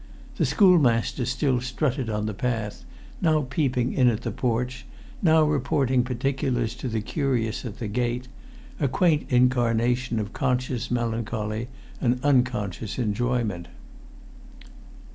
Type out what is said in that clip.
The schoolmaster still strutted on the path, now peeping in at the porch, now reporting particulars to the curious at the gate: a quaint incarnation of conscious melancholy and unconscious enjoyment.